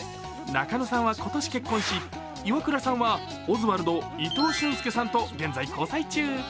中野さんは今年結婚し、イワクラさんは、オズワルド伊藤俊介と現在交際中。